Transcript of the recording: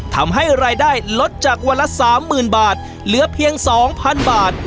ทำให้รายได้ลดจากวันละสามหมื่นบาทเหลือเพียงสองพันบาท